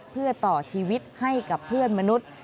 เพื่อต่อชีวิตให้กับเพื่อนมนุษย์